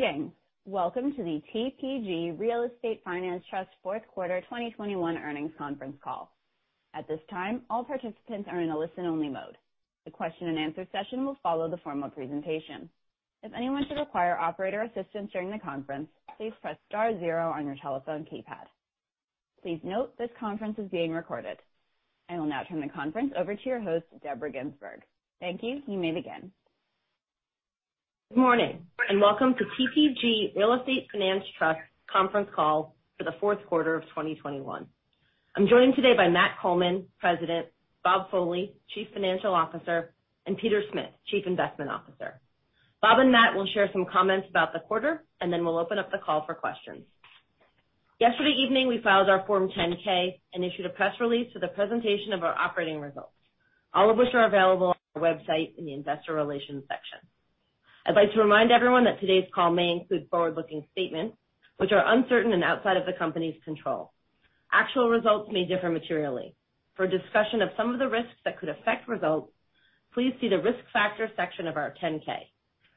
Greetings. Welcome to the TPG Real Estate Finance Trust fourth quarter 2021 earnings conference call. At this time, all participants are in a listen-only mode. The question and answer session will follow the formal presentation. If anyone should require operator assistance during the conference, please press star zero on your telephone keypad. Please note this conference is being recorded. I will now turn the conference over to your host, Deborah Ginsberg. Thank you. You may begin. Good morning, and welcome to TPG Real Estate Finance Trust conference call for the fourth quarter of 2021. I'm joined today by Matt Coleman, President, Bob Foley, Chief Financial Officer, and Peter Smith, Chief Investment Officer. Bob and Matt will share some comments about the quarter, and then we'll open up the call for questions. Yesterday evening, we filed our Form 10-K and issued a press release for the presentation of our operating results, all of which are available on our website in the Investor Relations section. I'd like to remind everyone that today's call may include forward-looking statements which are uncertain and outside of the company's control. Actual results may differ materially. For a discussion of some of the risks that could affect results, please see the risk factors section of our 10-K.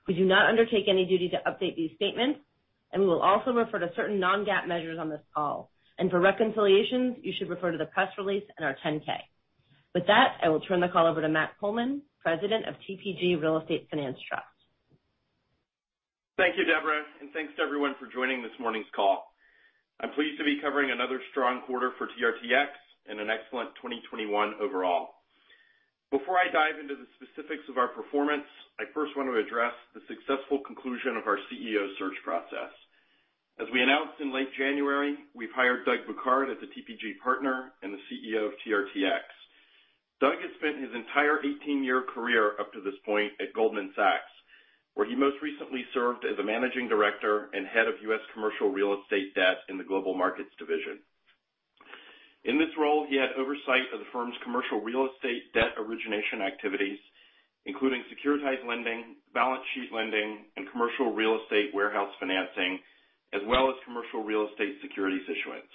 We do not undertake any duty to update these statements, and we will also refer to certain non-GAAP measures on this call. For reconciliations, you should refer to the press release and our 10-K. With that, I will turn the call over to Matt Coleman, President of TPG Real Estate Finance Trust. Thank you, Deborah, thanks to everyone for joining this morning's call. I'm pleased to be covering another strong quarter for TRTX and an excellent 2021 overall. Before I dive into the specifics of our performance, I first want to address the successful conclusion of our CEO search process. As we announced in late January, we've hired Doug Bouquard as a TPG Partner and the CEO of TRTX. Doug has spent his entire 18-year career up to this point at Goldman Sachs, where he most recently served as a Managing Director and Head of U.S. Commercial Real Estate Debt in the Global Markets division. In this role, he had oversight of the firm's commercial real estate debt origination activities, including securitized lending, balance sheet lending, and commercial real estate warehouse financing, as well as commercial real estate securities issuance.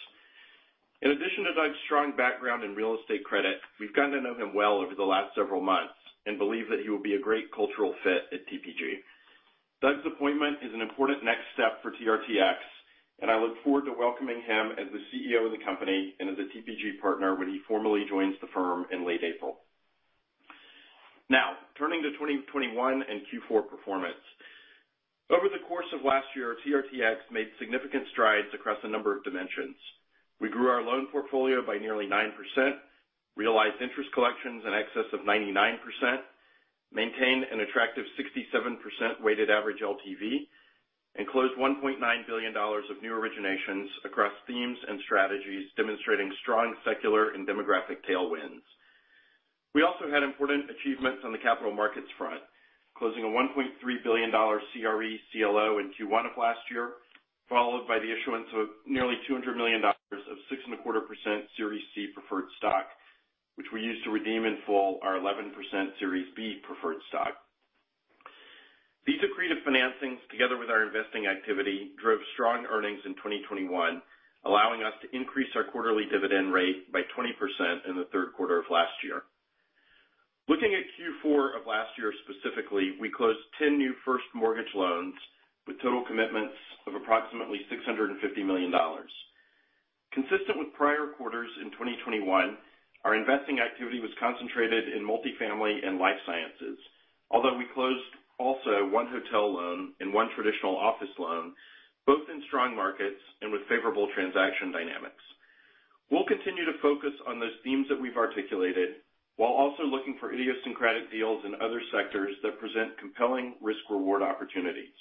In addition to Doug's strong background in real estate credit, we've gotten to know him well over the last several months and believe that he will be a great cultural fit at TPG. Doug's appointment is an important next step for TRTX, and I look forward to welcoming him as the CEO of the company and as a TPG partner when he formally joins the firm in late April. Now, turning to 2021 and Q4 performance. Over the course of last year, TRTX made significant strides across a number of dimensions. We grew our Loan Portfolio by nearly 9%, realized interest collections in excess of 99%, maintained an attractive 67% weighted average LTV, and closed $1.9 billion of new originations across themes and strategies demonstrating strong secular and demographic tailwinds. We also had important achievements on the capital markets front, closing a $1.3 billion CRE CLO in Q1 of last year, followed by the issuance of nearly $200 million of 6.25% Series C preferred stock, which we used to redeem in full our 11% Series B preferred stock. These accretive financings, together with our investing activity, drove strong earnings in 2021, allowing us to increase our quarterly dividend rate by 20% in the third quarter of last year. Looking at Q4 of last year specifically, we closed 10 new first mortgage loans with total commitments of approximately $650 million. Consistent with prior quarters in 2021, our investing activity was concentrated in Multifamily and Life Sciences, although we closed also one hotel loan and one traditional office loan, both in strong markets and with favorable transaction dynamics. We'll continue to focus on those themes that we've articulated while also looking for idiosyncratic deals in other sectors that present compelling risk-reward opportunities.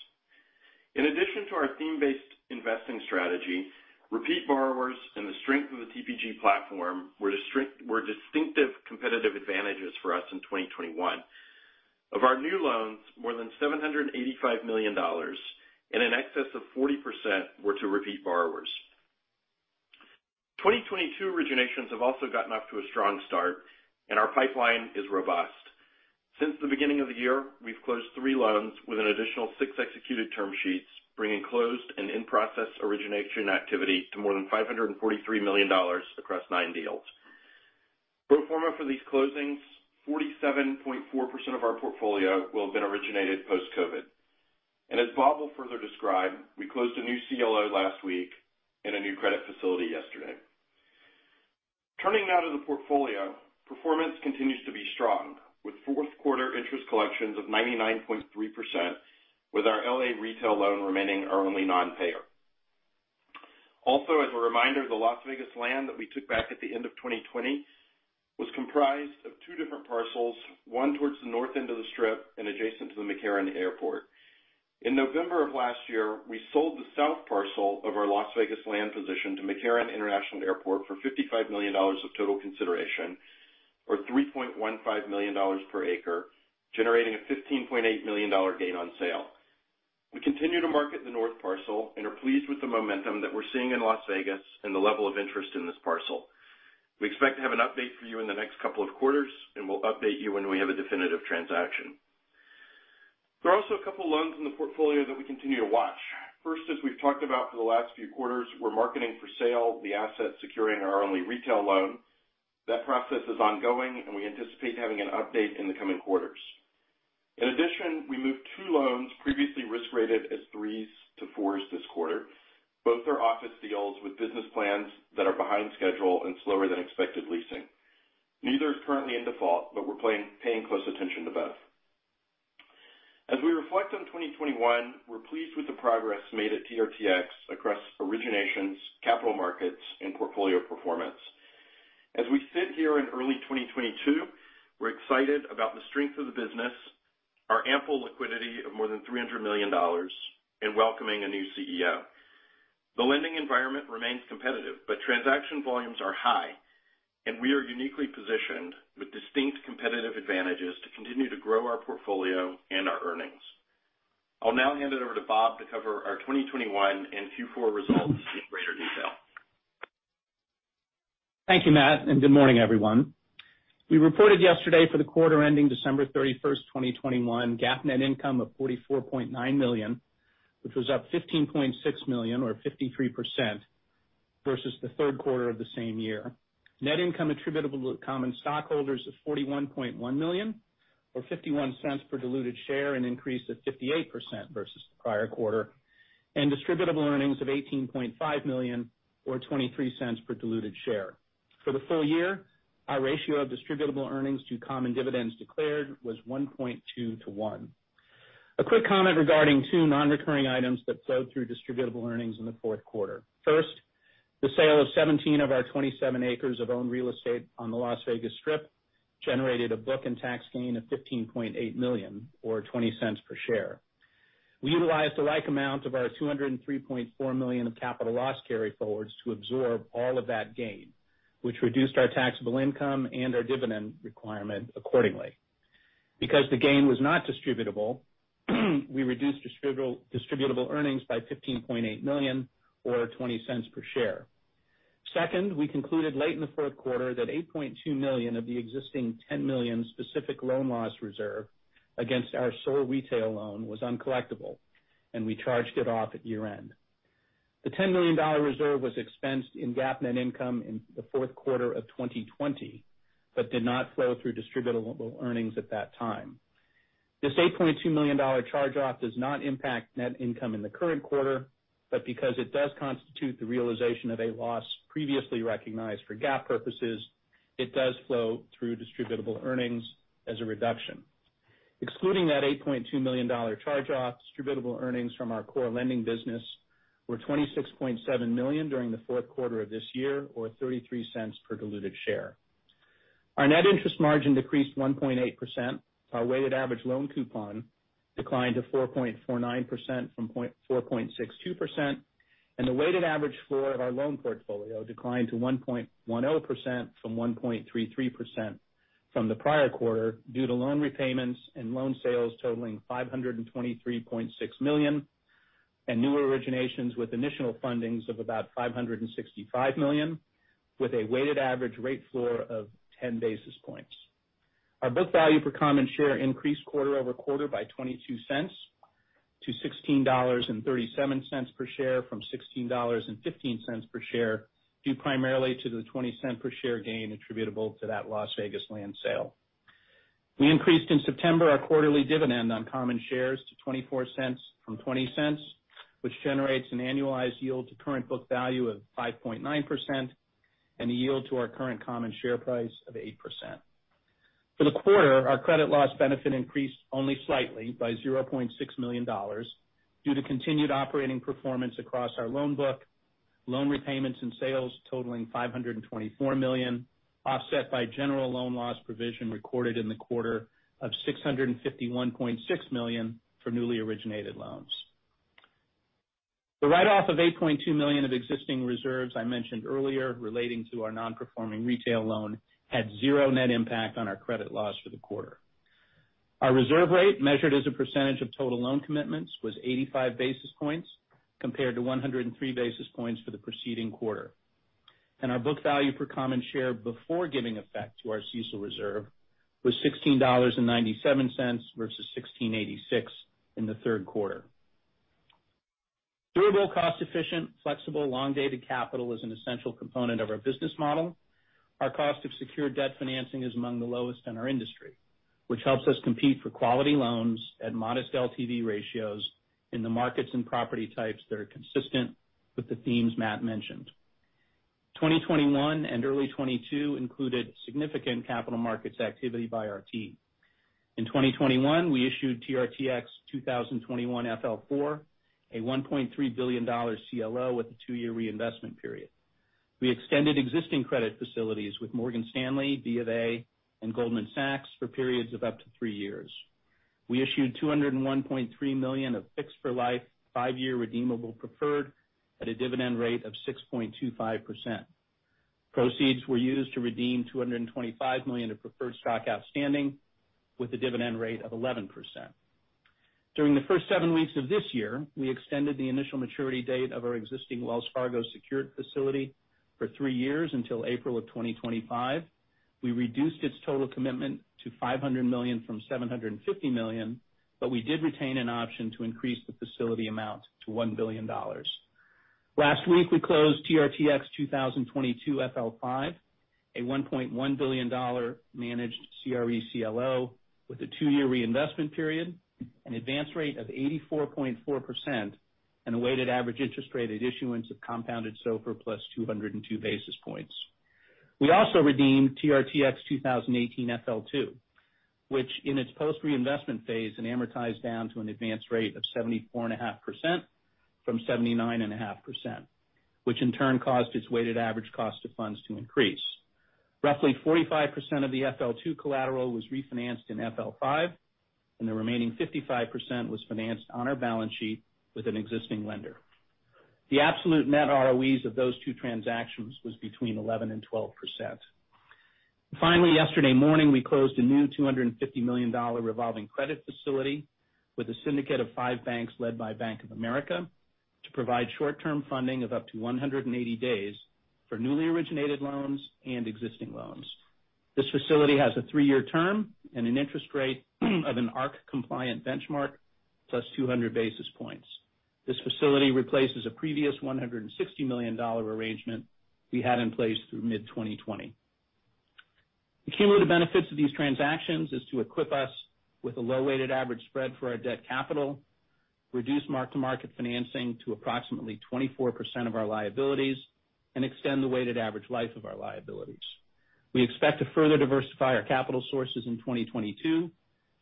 In addition to our theme-based investing strategy, repeat borrowers and the strength of the TPG platform were distinctive competitive advantages for us in 2021. Of our new loans, more than $785 million and in excess of 40% were to repeat borrowers. 2022 originations have also gotten off to a strong start, and our pipeline is robust. Since the beginning of the year, we've closed three loans with an additional six executed term sheets, bringing closed and in-process origination activity to more than $543 million across nine deals. Pro forma for these closings, 47.4% of our portfolio will have been originated post-COVID. As Bob will further describe, we closed a new CLO last week and a new credit facility yesterday. Turning now to the portfolio. Performance continues to be strong, with fourth quarter interest collections of 99.3%, with our L.A. retail loan remaining our only non-payer. Also, as a reminder, the Las Vegas land that we took back at the end of 2020 was comprised of two different parcels, one towards the north end of the Strip and adjacent to the McCarran Airport. In November of last year, we sold the south parcel of our Las Vegas land position to McCarran International Airport for $55 million of total consideration, or $3.15 million per acre, generating a $15.8 million gain on sale. We continue to market the north parcel and are pleased with the momentum that we're seeing in Las Vegas and the level of interest in this parcel. We expect to have an update for you in the next couple of quarters, and we'll update you when we have a definitive transaction. As we've talked about for the last few quarters, we're marketing for sale the asset securing our only retail loan. That process is ongoing, and we anticipate having an update in the coming quarters. In addition, we moved two loans previously risk-rated as 3s to 4s this quarter. Both are office deals with business plans that are behind schedule and slower than expected leasing. Neither is currently in default, but we're paying close attention to both. As we reflect on 2021, we're pleased with the progress made at TRTX across originations, capital markets, and portfolio performance. As we sit here in early 2022, we're excited about the strength of the business, our ample liquidity of more than $300 million, and welcoming a new CEO. The lending environment remains competitive, but transaction volumes are high, and we are uniquely-positioned with distinct competitive advantages to continue to grow our portfolio and our earnings. I'll now hand it over to Bob to cover our 2021 and Q4 results in greater detail. Thank you, Matt. Good morning, everyone. We reported yesterday for the quarter ending December 31st, 2021 GAAP net income of $44.9 million, which was up $15.6 million or 53% versus the third quarter of the same year. Net income attributable to common stockholders is $41.1 million or $0.51 per diluted share, an increase of 58% versus the prior quarter, and distributable earnings of $18.5 million or $0.23 per diluted share. For the full year, our ratio of distributable earnings to common dividends declared was 1.2:1. A quick comment regarding two non-recurring items that flowed through distributable earnings in the fourth quarter. First, the sale of 17 of our 27 acres of owned real estate on the Las Vegas Strip generated a book and tax gain of $15.8 million or $0.20 per share. We utilized a like amount of our $203.4 million of capital loss carryforwards to absorb all of that gain, which reduced our taxable income and our dividend requirement accordingly. Because the gain was not distributable, we reduced distributable earnings by $15.8 million or $0.20 per share. Second, we concluded late in the fourth quarter that $8.2 million of the existing $10 million specific loan loss reserve against our sole retail loan was uncollectible, and we charged it off at year-end. The $10 million reserve was expensed in GAAP net income in the fourth quarter of 2020, but did not flow through distributable earnings at that time. This $8.2 million charge-off does not impact net income in the current quarter, but because it does constitute the realization of a loss previously recognized for GAAP purposes, it does flow through distributable earnings as a reduction. Excluding that $8.2 million charge-off, distributable earnings from our core lending business were $26.7 million during the fourth quarter of this year or $0.33 per diluted share. Our net interest margin decreased 1.8%. Our weighted average loan coupon declined to 4.49% from 4.62%, and the weighted average floor of our Loan Portfolio declined to 1.10% from 1.33% from the prior quarter due to loan repayments and loan sales totaling $523.6 million and new originations with initial fundings of about $565 million, with a weighted average rate floor of 10 basis points. Our book value per common share increased quarter-over-quarter by $0.22-$16.37 per share from $16.15 per share, due primarily to the $0.20 per share gain attributable to that Las Vegas land sale. We increased in September our quarterly dividend on common shares to $0.24 from $0.20, which generates an annualized yield to current book value of 5.9% and a yield to our current common share price of 8%. For the quarter, our credit loss benefit increased only slightly by $0.6 million due to continued operating performance across our loan book, loan repayments and sales totaling $524 million, offset by general loan loss provision recorded in the quarter of $651.6 million for newly originated loans. The write-off of $8.2 million of existing reserves I mentioned earlier relating to our non-performing retail loan had zero net impact on our credit loss for the quarter. Our reserve rate, measured as a percentage of total loan commitments, was 85 basis points compared to 103 basis points for the preceding quarter. Our book value per common share before giving effect to our CECL reserve was $16.97 versus $16.86 in the third quarter. Durable, cost-efficient, flexible, long-dated capital is an essential component of our business model. Our cost of secured debt financing is among the lowest in our industry, which helps us compete for quality loans at modest LTV ratios in the markets and property types that are consistent with the themes Matt mentioned. 2021 and early 2022 included significant capital markets activity by our team. In 2021, we issued TRTX 2021-FL4, a $1.3 billion CLO with a two-year reinvestment period. We extended existing credit facilities with Morgan Stanley, BofA, and Goldman Sachs for periods of up to three years. We issued $201.3 million of fixed-for-life, five-year redeemable preferred at a dividend rate of 6.25%. Proceeds were used to redeem $225 million of preferred stock outstanding with a dividend rate of 11%. During the first seven weeks of this year, we extended the initial maturity date of our existing Wells Fargo secured facility for three years until April of 2025. We reduced its total commitment to $500 million from $750 million. We did retain an option to increase the facility amount to $1 billion. Last week, we closed TRTX 2022-FL5, a $1.1 billion managed CRE CLO with a two-year reinvestment period, an advance rate of 84.4%, and a weighted average interest rate at issuance of compounded SOFR+ 202 basis points. We also redeemed TRTX 2018-FL2, which in its post reinvestment phase, it amortized down to an advance rate of 74.5% from 79.5%, which in turn caused its weighted average cost of funds to increase. Roughly 45% of the FL2 collateral was refinanced in FL5, and the remaining 55% was financed on our balance sheet with an existing lender. The absolute net ROEs of those two transactions was between 11% and 12%. Finally, yesterday morning, we closed a new $250 million revolving credit facility with a syndicate of five banks led by Bank of America to provide short-term funding of up to 180 days for newly originated loans and existing loans. This facility has a three-year term and an interest rate of an ARRC-compliant benchmark plus 200 basis points. This facility replaces a previous $160 million arrangement we had in place through mid-2020. The cumulative benefits of these transactions is to equip us with a low weighted average spread for our debt capital, reduce mark-to-market financing to approximately 24% of our liabilities, and extend the weighted average life of our liabilities. We expect to further diversify our capital sources in 2022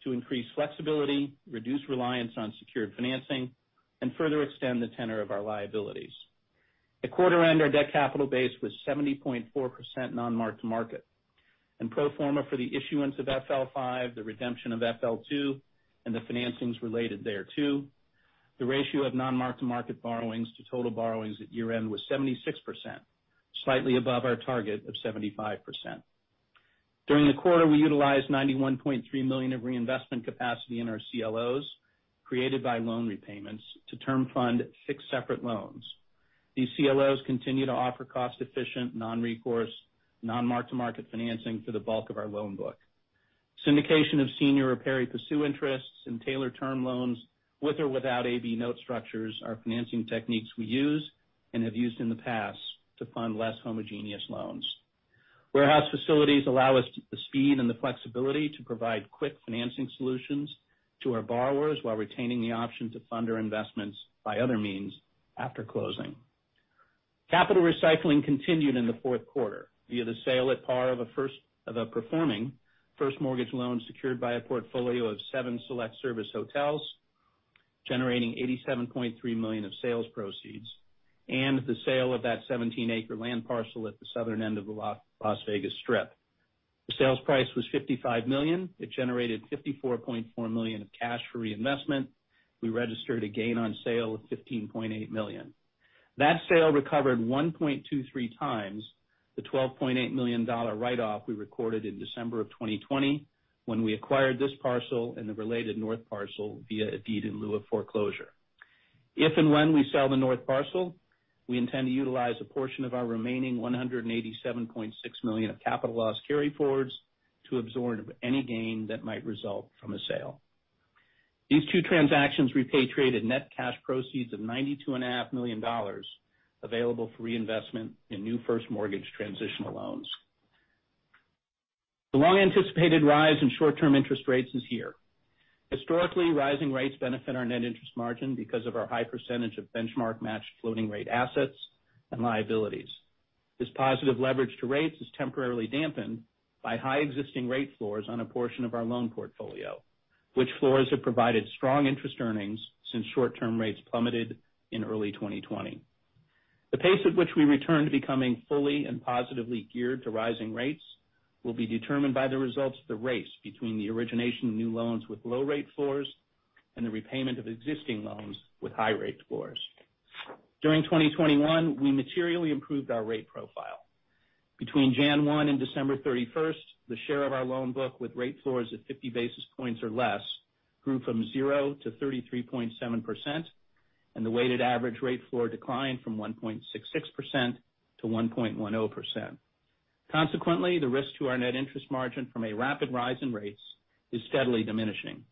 to increase flexibility, reduce reliance on secured financing, and further extend the tenor of our liabilities. At quarter end, our debt capital base was 70.4% non-mark-to-market. Pro forma for the issuance of FL5, the redemption of FL2, and the financings related thereto, the ratio of non-mark-to-market borrowings to total borrowings at year-end was 76%, slightly above our target of 75%. During the quarter, we utilized $91.3 million of reinvestment capacity in our CLOs created by loan repayments to term fund six separate loans. These CLOs continue to offer cost-efficient, non-recourse, non-mark-to-market financing for the bulk of our loan book. Syndication of senior or pari passu interests and tailored-term loans with or without A/B note structures are financing techniques we use and have used in the past to fund less homogeneous loans. Warehouse facilities allow us the speed and the flexibility to provide quick financing solutions to our borrowers while retaining the option to fund our investments by other means after closing. Capital recycling continued in the fourth quarter via the sale at par of a performing first mortgage loan secured by a portfolio of seven select service hotels, generating $87.3 million of sales proceeds, and the sale of that 17-acre land parcel at the southern end of the Las Vegas Strip. The sales price was $55 million. It generated $54.4 million of cash for reinvestment. We registered a gain on sale of $15.8 million. That sale recovered 1.23x the $12.8 million write-off we recorded in December of 2020 when we acquired this parcel and the related north parcel via a deed in lieu of foreclosure. If and when we sell the north parcel, we intend to utilize a portion of our remaining $187.6 million of capital loss carryforwards to absorb any gain that might result from a sale. These two transactions repatriated net cash proceeds of $92.5 million available for reinvestment in new first mortgage transitional loans. The long-anticipated rise in short-term interest rates is here. Historically, rising rates benefit our net interest margin because of our high percentage of benchmark-matched floating rate assets and liabilities. This positive leverage to rates is temporarily dampened by high existing rate floors on a portion of our Loan Portfolio, which floors have provided strong interest earnings since short-term rates plummeted in early 2020. The pasce at which we return to becoming fully and positively geared to rising rates will be determined by the results of the race between the origination of new loans with low rate floors and the repayment of existing loans with high rate floors. During 2021, we materially improved our rate profile. Between January 1 and December 31st, the share of our loan book with rate floors at 50 basis points or less grew from 0%-33.7%, and the weighted average rate floor declined from 1.66%-1.10%. Consequently, the risk to our net interest margin from a rapid rise in rates is steadily diminishing.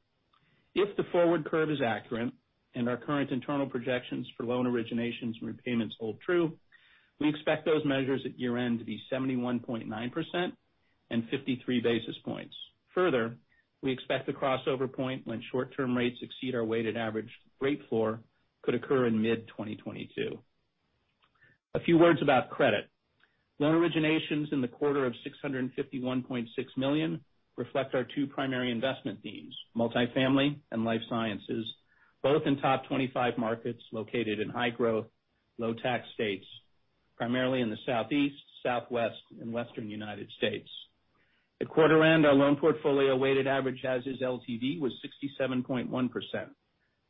If the forward curve is accurate and our current internal projections for loan originations and repayments hold true, we expect those measures at year-end to be 71.9% and 53 basis points. Further, we expect the crossover point when short-term rates exceed our weighted average rate floor could occur in mid-2022. A few words about credit. Loan originations in the quarter of $651.6 million reflect our two primary investment themes, Multifamily and Life Sciences, both in top 25 markets located in high growth, low tax states, primarily in the Southeast, Southwest, and Western U.S. At quarter end, our loan portfolio weighted average as-is LTV was 67.1%,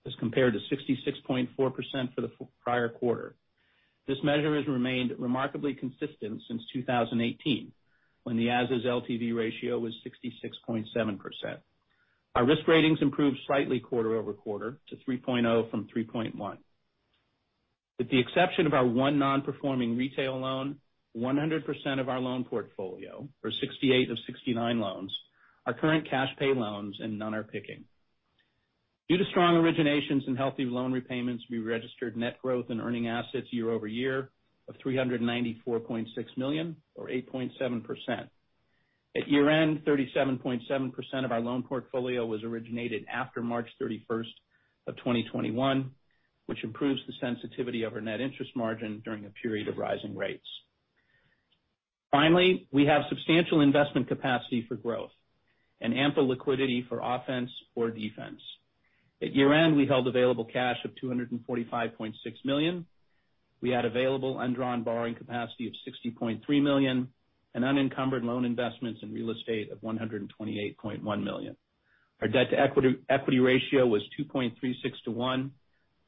as compared to 66.4% for the prior quarter. This measure has remained remarkably consistent since 2018, when the as-is LTV ratio was 66.7%. Our risk ratings improved slightly quarter-over-quarter to 3.0 from 3.1. With the exception of our one non-performing retail loan, 100% of our loan portfolio for 68 of 69 loans are current cash pay loans and none are PIK. Due to strong originations and healthy loan repayments, we registered net growth in earning assets year-over-year of $394.6 million or 8.7%. At year-end, 37.7% of our Loan Portfolio was originated after March 31st of 2021, which improves the sensitivity of our net interest margin during a period of rising rates. Finally, we have substantial investment capacity for growth and ample liquidity for offense or defense. At year-end, we held available cash of $245.6 million. We had available undrawn borrowing capacity of $60.3 million and unencumbered loan investments in real estate of $128.1 million. Our debt to equity ratio was 2.36:1.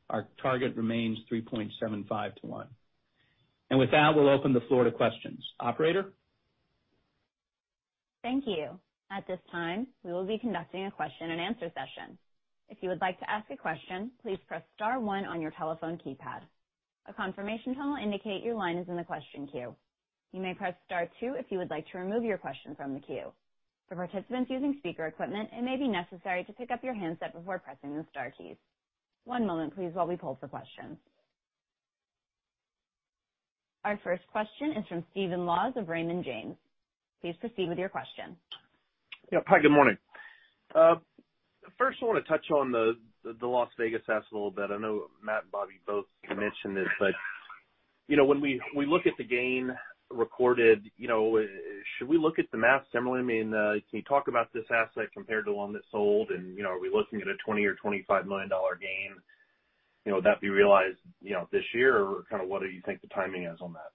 Our target remains 3.75:1. With that, we'll open the floor to questions. Operator? Thank you. At this time, we will be conducting a question and answer session. If you would like to ask a question, please press star one on your telephone keypad. A confirmation tone will indicate your line is in the question queue. You may press star two if you would like to remove your question from the queue. For participants using speaker equipment, it may be necessary to pick up your handset before pressing the star keys. One moment, please, while we pull for questions. Our first question is from Stephen Laws of Raymond James. Please proceed with your question. Yeah, hi, good morning. First I want to touch on the Las Vegas asset a little bit. I know Matt and Bob both mentioned this. When we look at the gain recorded, should we look at the math similarly? Can you talk about this asset compared to one that sold? Are we looking at a $20 million or $25 million gain? Would that be realized this year or what do you think the timing is on that?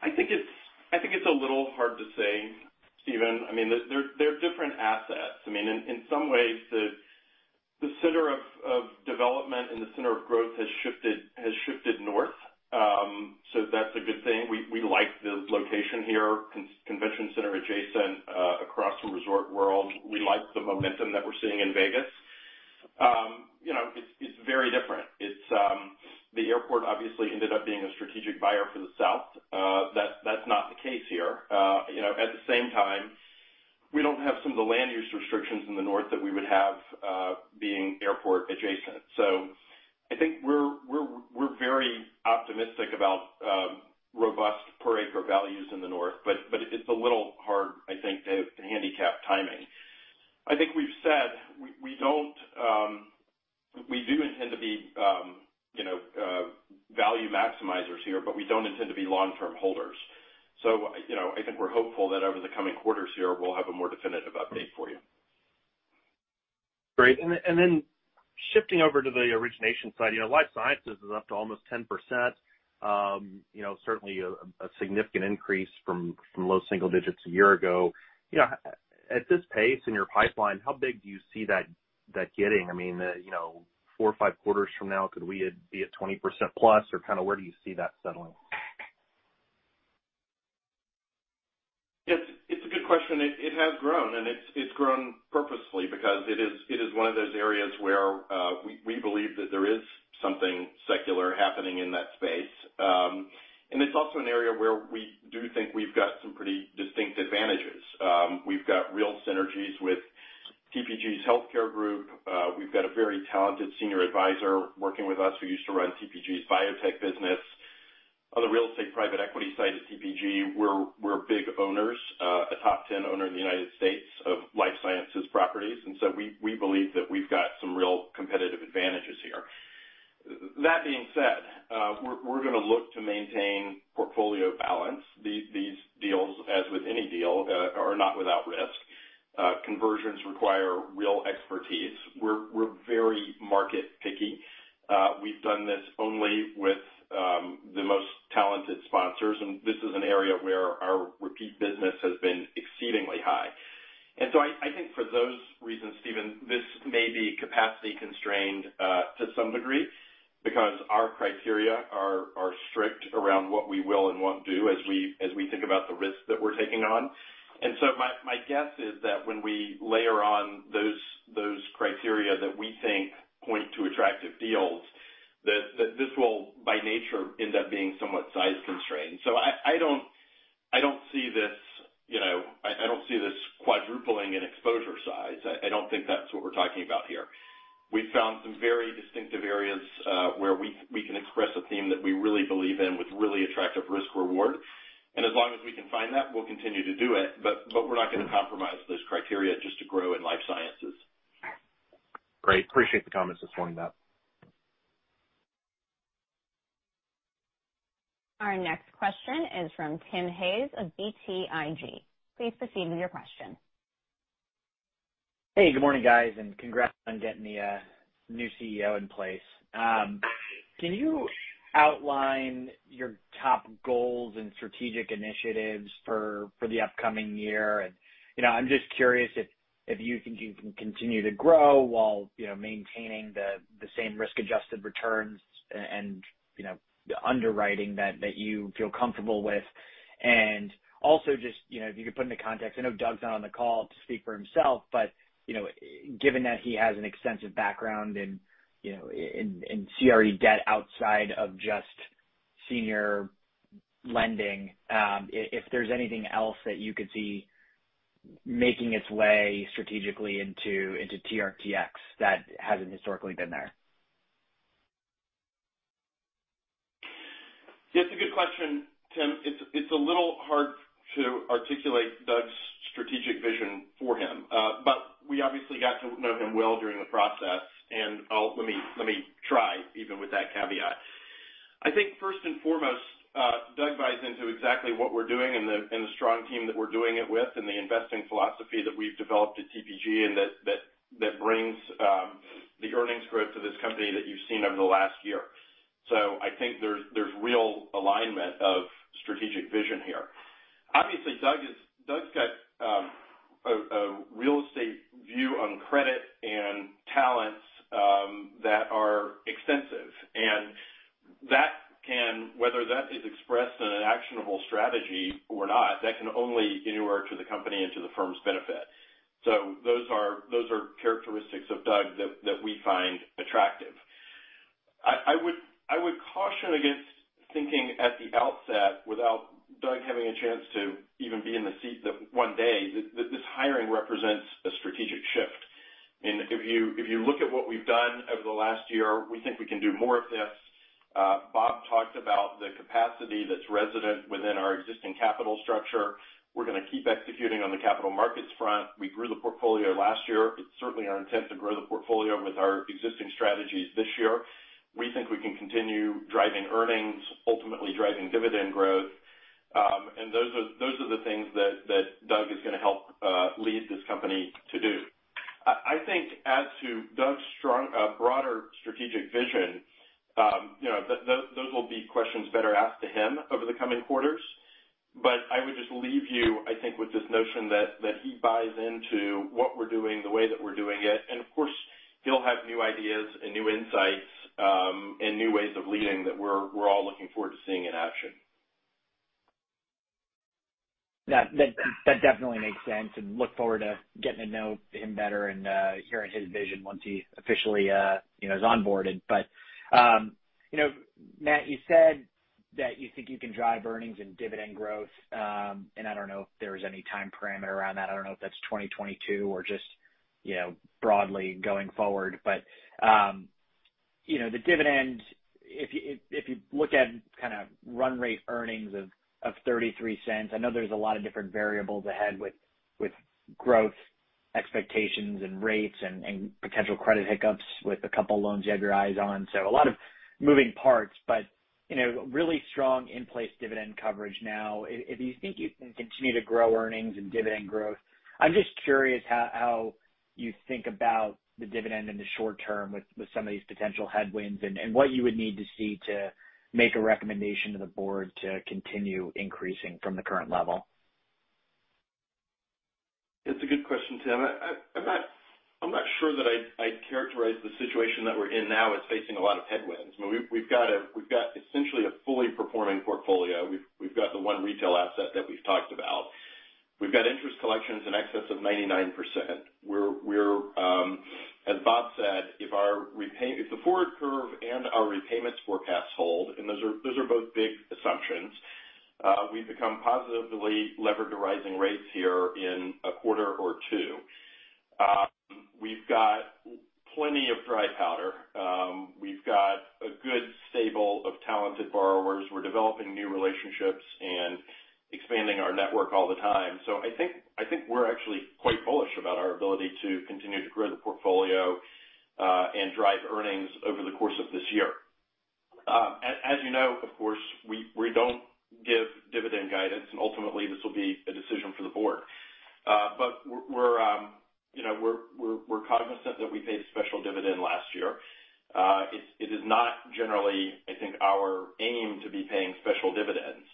I think it's a little hard to say, Stephen. They're different assets. In some ways, the center of development and the center of growth has shifted north. That's a good thing. We like the location here, convention center adjacent, across from Resorts World. We like the momentum that we're seeing in Vegas. It's very different. The airport obviously ended up being a strategic buyer for the south. That's not the case here. At the same time, we don't have some of the land use restrictions in the north that we would have being airport adjacent. I think we're very optimistic about robust per acre values in the north. It's a little hard, I think, to handicap timing. I think we've said we do intend to be value maximizers here, but we don't intend to be long-term holders. I think we're hopeful that over the coming quarters here, we'll have a more definitive update for you. Great. Then shifting over to the origination side, life sciences is up to almost 10%. Certainly a significant increase from low-single digits a year ago. At this pace in your pipeline, how big do you see that getting? Four or five quarters from now, could we be at 20%+, or where do you see that settling? It's a good question. It has grown and it's grown purposefully because it is one of those areas where we believe that there is something secular happening in that space. It's also an area where we do think we've got some pretty distinct advantages. We've got real synergies with TPG's healthcare group. We've got a very talented senior advisor working with us who used to run TPG's biotech business. On the real estate private equity side of TPG, we're big owners, a top 10 owner in the U.S. of life sciences properties. We believe that we've got some real competitive advantages here. That being said, we're going to look to maintain portfolio balance. These deals, as with any deal, are not without risk. Conversions require real expertise. We're very market picky. We've done this only with the most talented sponsors, and this is an area where our repeat business has been exceedingly high. I think for those reasons, Stephen, this may be capacity constrained to some degree because our criteria are strict around what we will and won't do as we think about the risks that we're taking on. My guess is that when we layer on those criteria that we think point to attractive deals, that this will by nature end up being somewhat size constrained. I don't see this quadrupling in exposure size. I don't think that's what we're talking about here. We've found some very distinctive areas where we can express a theme that we really believe in with really attractive risk reward. As long as we can find that, we'll continue to do it. We're not going to compromise those criteria just to grow in life sciences. Great. Appreciate the comments this morning, Matt. Our next question is from Tim Hayes of BTIG. Please proceed with your question. Hey, good morning, guys, and congrats on getting the new CEO in place. Can you outline your top goals and strategic initiatives for the upcoming year? I'm just curious if you think you can continue to grow while maintaining the same risk-adjusted returns and the underwriting that you feel comfortable with. Also just if you could put into context, I know Doug's not on the call to speak for himself, but given that he has an extensive background in CRE debt outside of just senior lending, if there's anything else that you could see making its way strategically into TRTX that hasn't historically been there. It's a good question, Tim. It's a little hard to articulate Doug's strategic vision for him. We obviously got to know him well during the process, and let me try, even with that caveat. I think first and foremost, Doug buys into exactly what we're doing and the strong team that we're doing it with and the investing philosophy that we've developed at TPG, and that brings the earnings growth of this company that you've seen over the last year. I think there's real alignment of strategic vision here. Obviously, Doug's got a real estate view on credit and talents that are extensive. Whether that is expressed in an actionable strategy or not, that can only endure to the company and to the firm's benefit. Those are characteristics of Doug that we find attractive. I would caution against thinking at the outset, without Doug having a chance to even be in the seat one day, that this hiring represents a strategic shift. If you look at what we've done over the last year, we think we can do more of this. Bob talked about the capacity that's resident within our existing capital structure. We're going to keep executing on the capital markets front. We grew the portfolio last year. It's certainly our intent to grow the portfolio with our existing strategies this year. We think we can continue driving earnings, ultimately driving dividend growth. Those are the things that Doug is going to help lead this company to do. I think as to Doug's broader strategic vision, those will be questions better asked to him over the coming quarters. I would just leave you, I think, with this notion that he buys into what we're doing, the way that we're doing it. Of course, he'll have new ideas and new insights, and new ways of leading that we're all looking forward to seeing in action. That definitely makes sense. Look forward to getting to know him better and hearing his vision once he officially is onboarded. Matt, you said that you think you can drive earnings and dividend growth, and I don't know if there was any time parameter around that. I don't know if that's 2022 or just broadly going forward. The dividend, if you look at run rate earnings of $0.33, I know there's a lot of different variables ahead with growth expectations and rates and potential credit hiccups with a couple loans you have your eyes on. A lot of moving parts. Really strong in-place dividend coverage now. If you think you can continue to grow earnings and dividend growth, I'm just curious how you think about the dividend in the short term with some of these potential headwinds, and what you would need to see to make a recommendation to the Board to continue increasing from the current level. It's a good question, Tim. I'm not sure that I'd characterize the situation that we're in now as facing a lot of headwinds. We've got essentially a fully performing portfolio. We've got the one retail asset that we've talked about. We've got interest collections in excess of 99%. As Bob said, if the forward curve and our repayments forecast hold, and those are both big assumptions, we become positively levered to rising rates here in a quarter or two. We've got plenty of dry powder. We've got a good stable of talented borrowers. We're developing new relationships and expanding our network all the time. I think we're actually quite bullish about our ability to continue to grow the portfolio, and drive earnings over the course of this year. As you know, of course, we don't give dividend guidance, and ultimately, this will be a decision for the Board. We're cognizant that we paid a special dividend last year. It is not generally, I think, our aim to be paying special dividends.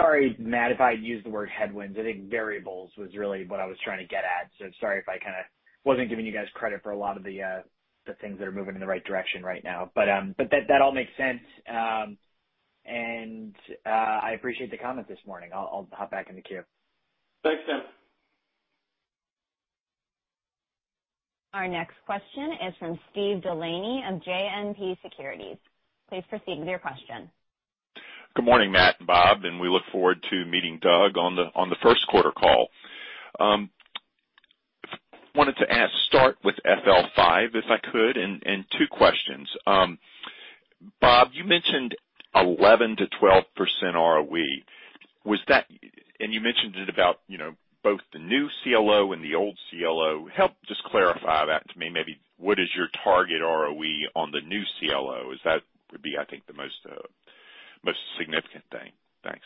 We'll put all of those things together and all of those factors and continue to closely monitor this with the Board. Sorry, Matt, if I used the word headwinds. I think variables was really what I was trying to get at. Sorry if I wasn't giving you guys credit for a lot of the things that are moving in the right direction right now. That all makes sense, and I appreciate the comment this morning. I'll hop back in the queue. Thanks, Tim. Our next question is from Steve DeLaney of JMP Securities. Please proceed with your question. Good morning, Matt and Bob. We look forward to meeting Doug on the first quarter call. I wanted to start with FL5, if I could, and two questions. Bob, you mentioned 11%-12% ROE. You mentioned it about both the new CLO and the old CLO. Help just clarify that to me, maybe what is your target ROE on the new CLO? That would be, I think, the most significant thing. Thanks.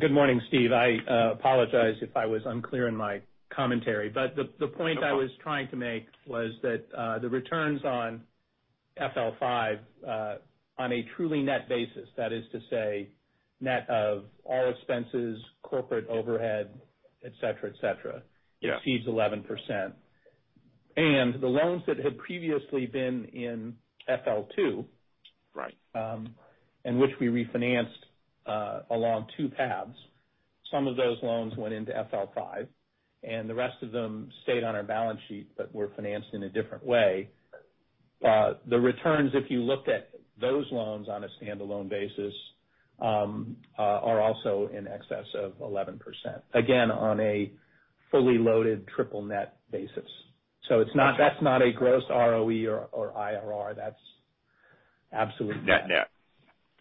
Good morning, Steve. I apologize if I was unclear in my commentary. The point I was trying to make was that the returns on FL5 on a truly net basis, that is to say, net of all expenses, corporate overhead, et cetera, exceeds 11%. The loans that had previously been in FL2. Right. Which we refinanced along two paths. Some of those loans went into FL5, and the rest of them stayed on our balance sheet but were financed in a different way. The returns, if you looked at those loans on a standalone basis, are also in excess of 11%, again, on a fully loaded triple net basis. That's not a gross ROE or IRR. Net.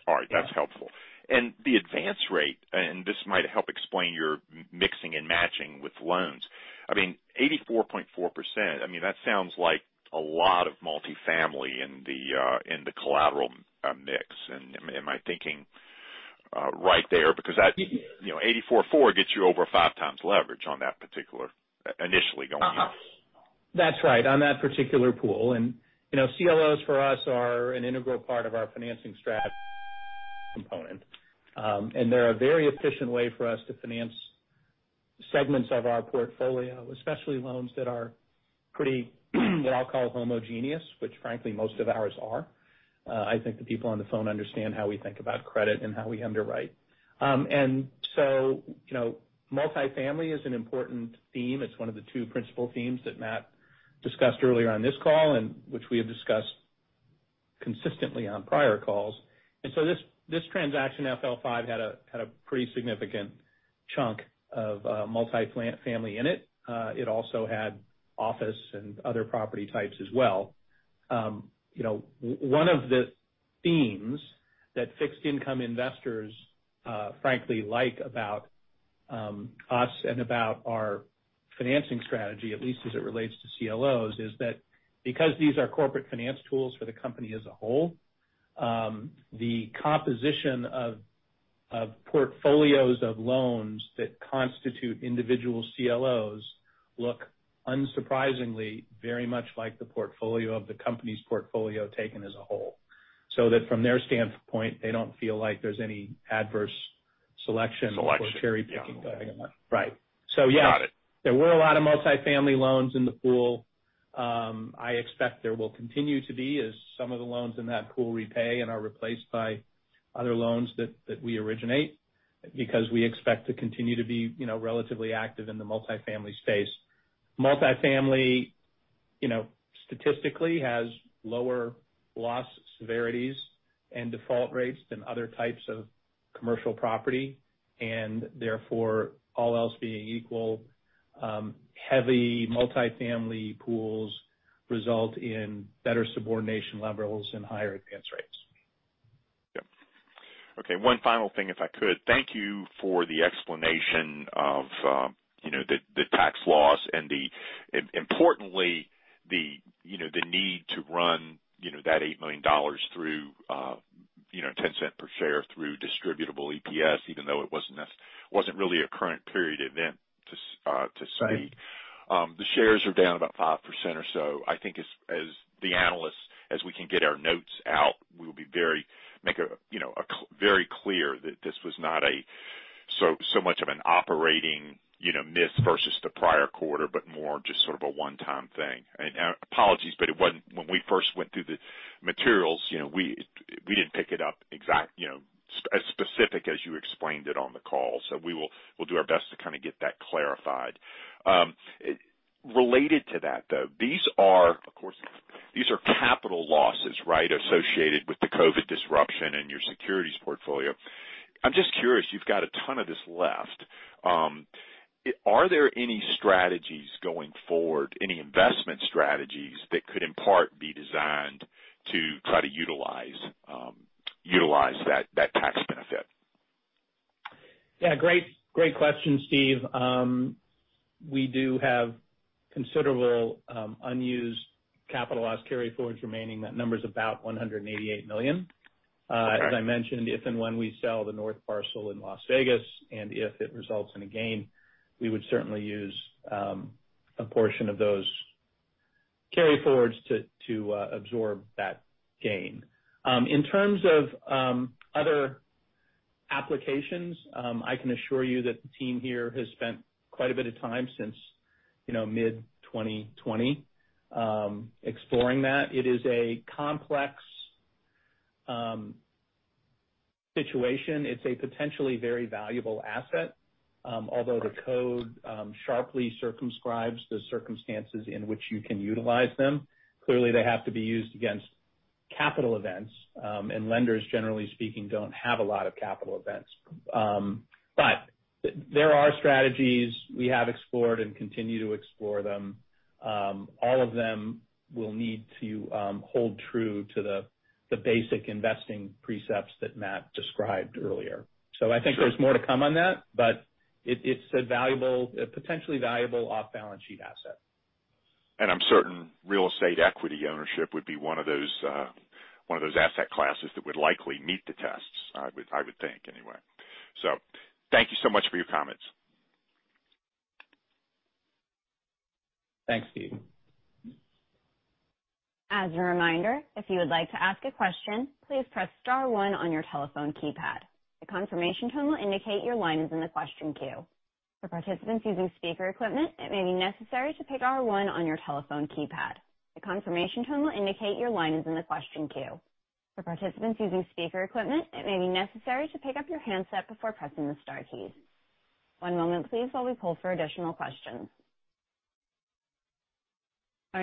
All right. That's helpful. The advance rate, and this might help explain your mixing and matching with loans. I mean, 84.4%, that sounds like a lot of multi-family in the collateral mix. Am I thinking right there? Yes. 84.4% gets you over 5x leverage on that particular, initially going in. That's right. On that particular pool. CLOs for us are an integral part of our financing strategy component. They're a very efficient way for us to finance segments of our portfolio, especially loans that are pretty what I'll call homogeneous, which frankly, most of ours are. I think the people on the phone understand how we think about credit and how we underwrite. Multi-family is an important theme. It's one of the two principal themes that Matt discussed earlier on this call, and which we have discussed consistently on prior calls. This transaction, FL5, had a pretty significant chunk of multi-family in it. It also had office and other property types as well. One of the themes that fixed income investors frankly like about us and about our financing strategy, at least as it relates to CLOs, is that because these are corporate finance tools for the company as a whole, the composition of portfolios of loans that constitute individual CLOs look unsurprisingly very much like the portfolio of the company's portfolio taken as a whole. From their standpoint, they don't feel like there's any adverse selection. Selection. Cherry picking going on. Right. yes. Got it. There were a lot of multi-family loans in the pool. I expect there will continue to be as some of the loans in that pool repay and are replaced by other loans that we originate because we expect to continue to be relatively active in the multi-family space. Multi-family statistically has lower loss severities and default rates than other types of commercial property, and therefore, all else being equal, heavy multi-family pools result in better subordination levels and higher advance rates. Yep. Okay, one final thing if I could. Thank you for the explanation of the tax loss and importantly the need to run that $8 million through $0.10 per share through distributable EPS, even though it wasn't really a current period event to speak. The shares are down about 5% or so. I think as the analysts, as we can get our notes out, we'll make very clear that this was not so much of an operating miss versus the prior quarter, but more just sort of a one-time thing. Apologies, but when we first went through the materials, we didn't pick it up as specific as you explained it on the call. We'll do our best to kind of get that clarified. Related to that, though, these are capital losses, right, associated with the COVID disruption in your securities portfolio. I'm just curious, you've got a ton of this left. Are there any strategies going forward, any investment strategies that could in part be designed to try to utilize that tax benefit? Yeah. Great question, Steve. We do have considerable unused capital loss carryforwards remaining. That number is about $188 million. Okay. As I mentioned, if and when we sell the north parcel in Las Vegas, and if it results in a gain, we would certainly use a portion of those capital loss carryforwards to absorb that gain. In terms of other applications, I can assure you that the team here has spent quite a bit of time since mid-2020 exploring that. It is a complex situation. It's a potentially very valuable asset. Although the code sharply circumscribes the circumstances in which you can utilize them. Clearly, they have to be used against capital events. Lenders, generally speaking, don't have a lot of capital events. There are strategies we have explored and continue to explore them. All of them will need to hold true to the basic investing precepts that Matt described earlier. I think there's more to come on that, but it's a potentially valuable off-balance sheet asset. I'm certain real estate equity ownership would be one of those asset classes that would likely meet the tests, I would think anyway. Thank you so much for your comments. Thanks, Steve. Our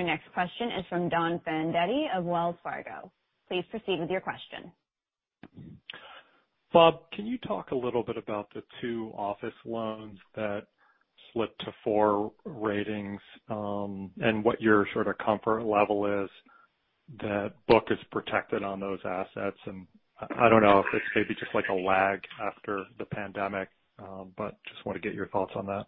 next question is from Don Fandetti of Wells Fargo. Please proceed with your question. Bob, can you talk a little bit about the two office loans that slipped to four ratings, and what your comfort level is that book is protected on those assets? I don't know if it's maybe just like a lag after the pandemic, but just want to get your thoughts on that.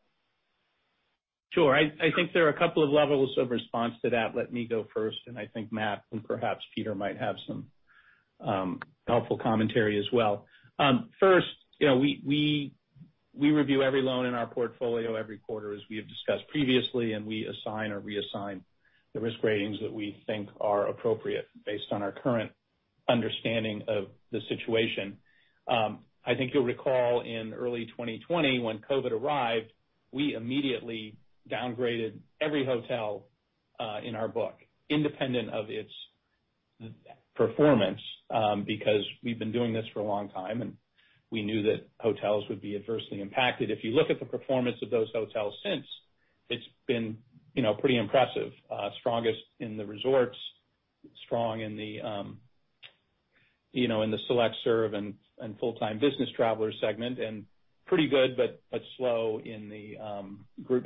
Sure. I think there are a couple of levels of response to that. Let me go first. I think Matt and perhaps Peter might have some helpful commentary as well. First, we review every loan in our portfolio every quarter, as we have discussed previously. We assign or reassign the risk ratings that we think are appropriate based on our current understanding of the situation. I think you'll recall in early 2020, when COVID arrived, we immediately downgraded every hotel in our book, independent of its performance, because we've been doing this for a long time. We knew that hotels would be adversely impacted. If you look at the performance of those hotels since, it's been pretty impressive. Strongest in the resorts, strong in the select serve and full-time business traveler segment, and pretty good but slow in the group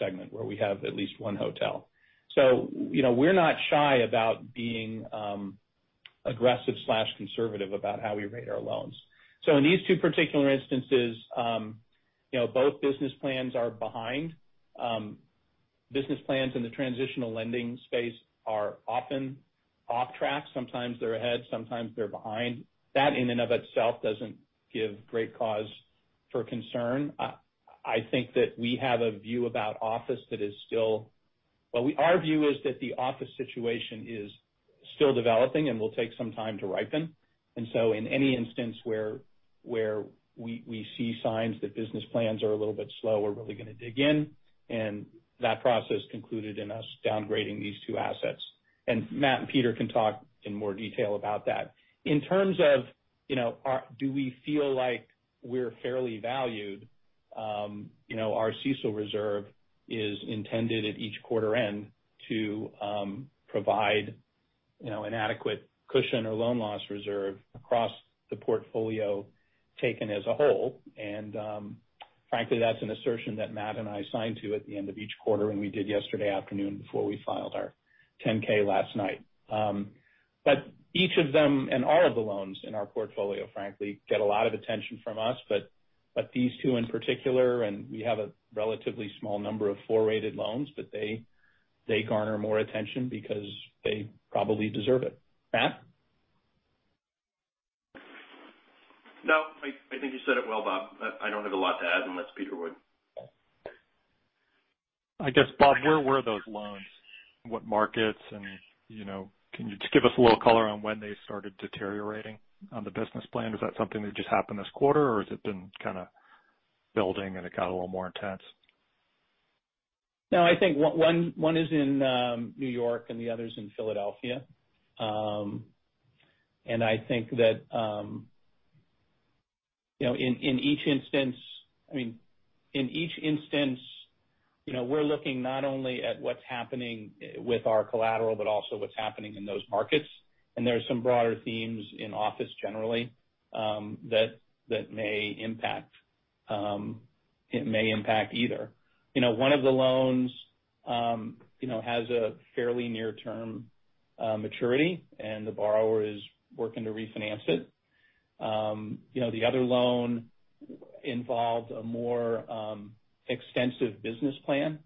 segment, where we have at least one hotel. We're not shy about being aggressive/conservative about how we rate our loans. In these two particular instances, both business plans are behind. Business plans in the transitional lending space are often off track. Sometimes they're ahead, sometimes they're behind. That in and of itself doesn't give great cause for concern. I think that we have a view about office that is, well, our view is that the office situation is still developing and will take some time to ripen. In any instance where we see signs that business plans are a little bit slow, we're really going to dig in, and that process concluded in us downgrading these two assets. Matt and Peter can talk in more detail about that. In terms of do we feel like we're fairly valued? Our CECL reserve is intended at each quarter end to provide an adequate cushion or loan loss reserve across the portfolio taken as a whole. Frankly, that's an assertion that Matt and I sign to at the end of each quarter, and we did yesterday afternoon before we filed our 10-K last night. Each of them and all of the loans in our portfolio, frankly, get a lot of attention from us, but these two in particular, and we have a relatively small number of four-rated loans, but they garner more attention because they probably deserve it. Matt? No, I think you said it well, Bob. I don't have a lot to add, unless Peter would. I guess, Bob, where were those loans? What markets, can you just give us a little color on when they started deteriorating on the business plan? Is that something that just happened this quarter, or has it been building and it got a little more intense? No, I think one is in New York and the other is in Philadelphia. I think that in each instance, we're looking not only at what's happening with our collateral, but also what's happening in those markets, and there are some broader themes in office generally, that may impact either. One of the loans has a fairly near-term maturity, and the borrower is working to refinance it. The other loan involved a more extensive business plan.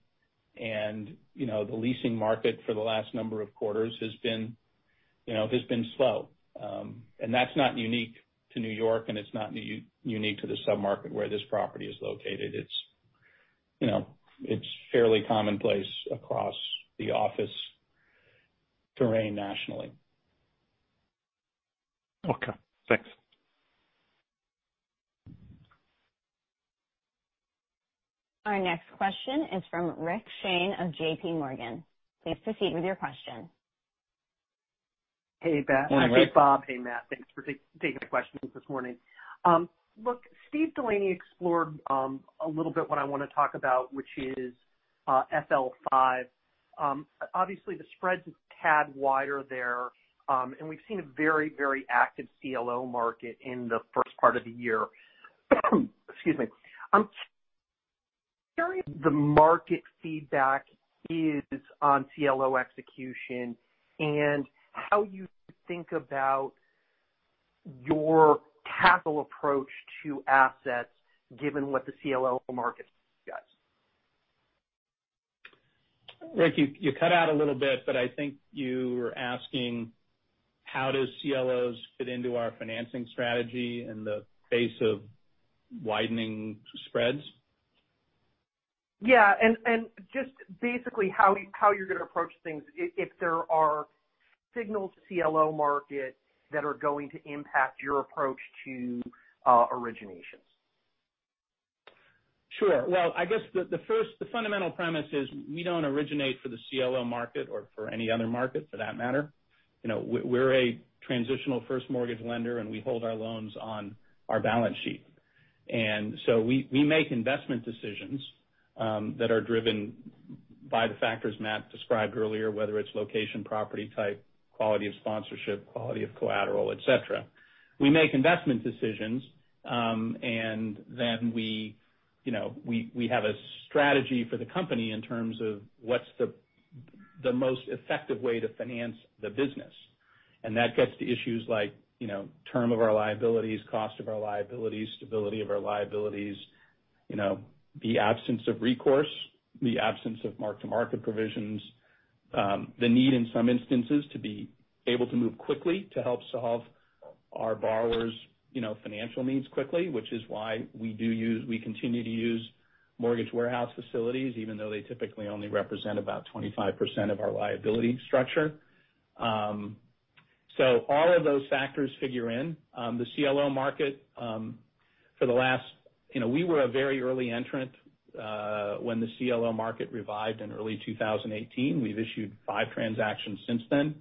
The leasing market for the last number of quarters has been slow. That's not unique to New York, and it's not unique to the sub-market where this property is located. It's fairly commonplace across the office terrain nationally. Okay, thanks. Our next question is from Rick Shane of JPMorgan. Please proceed with your question. Hey, Bob. Hey, Rick. Hey, Bob. Hey, Matt. Thanks for taking the questions this morning. Look, Steve DeLaney explored a little bit what I want to talk about, which is FL5. Obviously, the spread's a tad wider there. We've seen a very active CLO market in the first part of the year. Excuse me. Curious the market feedback is on CLO execution and how you think about your capital approach to assets given what the CLO market does. Rick, you cut out a little bit, but I think you were asking how does CLOs fit into our financing strategy in the face of widening spreads? Yeah. Just basically how you're going to approach things if there are signals to CLO market that are going to impact your approach to originations. Sure. Well, I guess the first fundamental premise is we don't originate for the CLO market or for any other market, for that matter. We're a transitional first mortgage lender, and we hold our loans on our balance sheet. We make investment decisions that are driven by the factors Matt described earlier, whether it's location, property type, quality of sponsorship, quality of collateral, et cetera. We make investment decisions, and then we have a strategy for the company in terms of what's the most effective way to finance the business. That gets to issues like term of our liabilities, cost of our liabilities, stability of our liabilities, the absence of recourse, the absence of mark-to-market provisions, the need, in some instances, to be able to move quickly to help solve our borrowers' financial needs quickly, which is why we continue to use mortgage warehouse facilities, even though they typically only represent about 25% of our liability structure. All of those factors figure in. The CLO market, we were a very early entrant when the CLO market revived in early 2018. We've issued five transactions since then.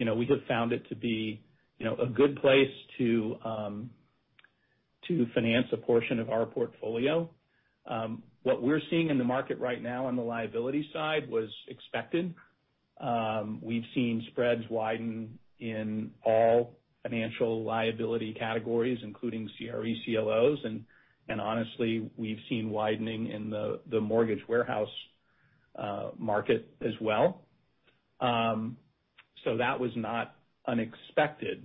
We have found it to be a good place to finance a portion of our portfolio. What we're seeing in the market right now on the liability side was expected. We've seen spreads widen in all financial liability categories, including CRE CLOs, and honestly, we've seen widening in the mortgage warehouse market as well. That was not unexpected.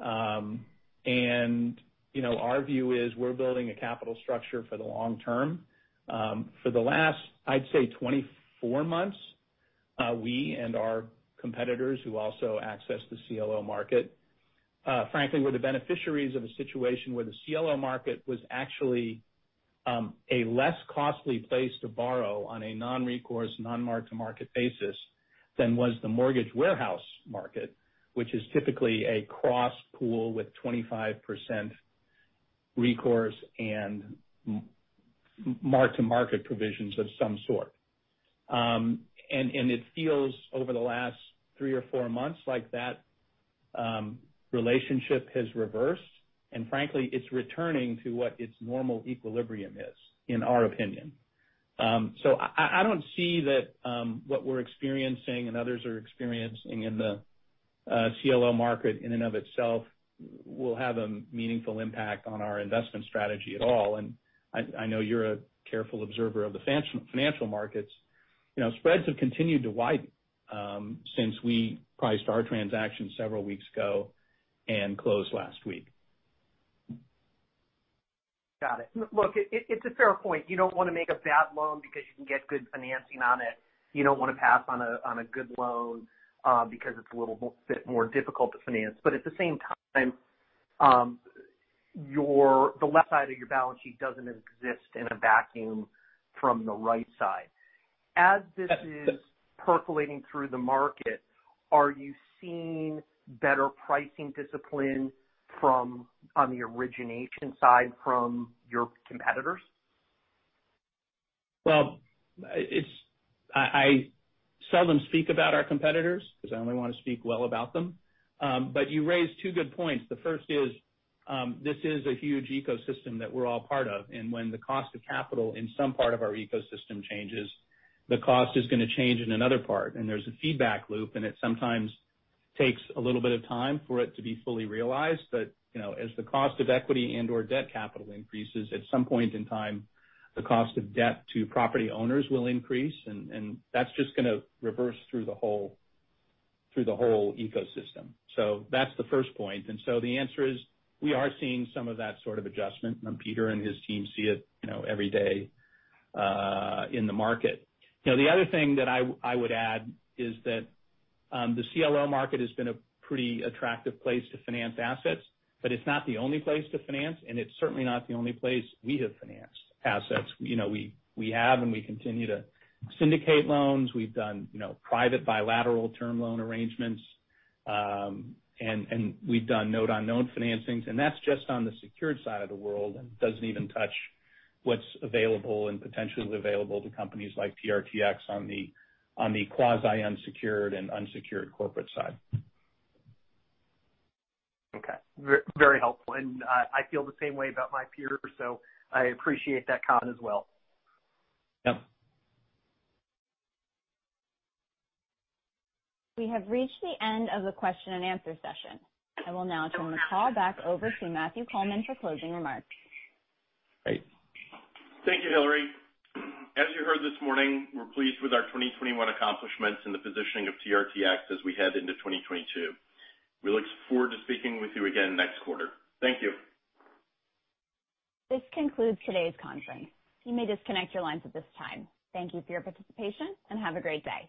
Our view is we're building a capital structure for the long-term. For the last, I'd say, 24 months, we and our competitors who also access the CLO market, frankly, were the beneficiaries of a situation where the CLO market was actually a less costly place to borrow on a non-recourse, non-mark-to-market basis than was the mortgage warehouse market, which is typically a cross-pool with 25% recourse and mark-to-market provisions of some sort. It feels over the last three or four months like that relationship has reversed, and frankly, it's returning to what its normal equilibrium is, in our opinion. I don't see that what we're experiencing and others are experiencing in the CLO market in and of itself will have a meaningful impact on our investment strategy at all. I know you're a careful observer of the financial markets. Spreads have continued to widen since we priced our transaction several weeks ago and closed last week. Got it. Look, it's a fair point. You don't want to make a bad loan because you can get good financing on it. You don't want to pass on a good loan because it's a little bit more difficult to finance. At the same time, the left side of your balance sheet doesn't exist in a vacuum from the right side. As this is percolating through the market, are you seeing better pricing discipline on the origination side from your competitors? Well, I seldom speak about our competitors because I only want to speak well about them. You raise two good points. The first is, this is a huge ecosystem that we're all part of, and when the cost of capital in some part of our ecosystem changes, the cost is going to change in another part. There's a feedback loop, and it sometimes takes a little bit of time for it to be fully realized. As the cost of equity and/or debt capital increases, at some point in time, the cost of debt to property owners will increase, and that's just going to reverse through the whole ecosystem. That's the first point. The answer is, we are seeing some of that sort of adjustment. Peter and his team see it every day in the market. The other thing that I would add is that the CLO market has been a pretty attractive place to finance assets, but it's not the only place to finance, and it's certainly not the only place we have financed assets. We have and we continue to syndicate loans. We've done private bilateral term loan arrangements. We've done note-on-note financings, and that's just on the secured side of the world and doesn't even touch what's available and potentially available to companies like TRTX on the quasi-unsecured and unsecured corporate side. Okay. Very helpful. I feel the same way about my peers, so I appreciate that comment as well. Yep. We have reached the end of the question and answer session. I will now turn the call back over to Matt Coleman for closing remarks. Thank you, Hillary. As you heard this morning, we're pleased with our 2021 accomplishments and the positioning of TRTX as we head into 2022. We look forward to speaking with you again next quarter. Thank you. This concludes today's conference. You may disconnect your lines at this time. Thank you for your participation, and have a great day.